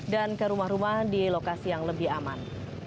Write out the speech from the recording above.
dan ke rumah rumah di lokasi yang lebih aman